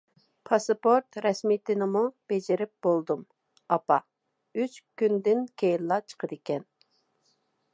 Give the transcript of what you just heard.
پاسپورت رەسمىيىتىنىمۇ بېجىرىپ بولدۇم ئاپا، ئۈچ كۈندىن كېيىنلا چىقىدىكەن.